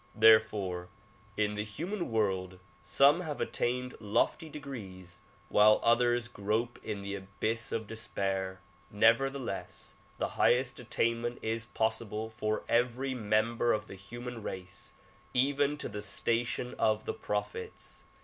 Therefore in the human world some have attained lofty degrees while others grope in the abyss of despair. Nevertheless the highest attainment is possible for every member of the human race even to the station of the prophets.